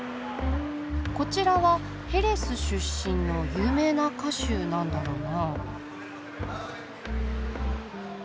こちらはヘレス出身の有名な歌手なんだろうな。